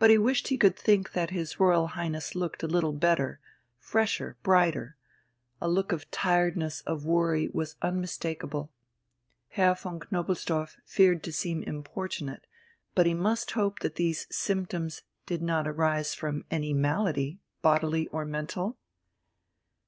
But he wished he could think that his Royal Highness looked a little better, fresher, brighter a look of tiredness, of worry, was unmistakable.... Herr von Knobelsdorff feared to seem importunate; but he must hope that these symptoms did not arise from any malady, bodily or mental?